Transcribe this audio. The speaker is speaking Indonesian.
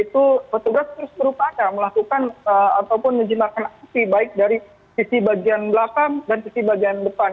jadi itu petugas terus berupaya melakukan ataupun menyimpan api baik dari sisi bagian belakang dan sisi bagian depan